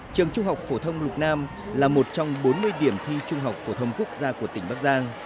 trường trung học phổ thông lục nam là một trong bốn mươi điểm thi trung học phổ thông quốc gia của tỉnh bắc giang